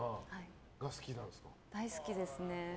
大好きですね。